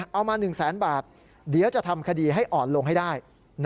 เอามา๑แสนบาทเดี๋ยวจะทำคดีให้อ่อนลงให้ได้